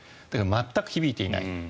だけど全く響いていない。